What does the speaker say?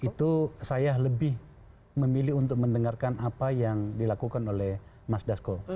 itu saya lebih memilih untuk mendengarkan apa yang dilakukan oleh mas dasko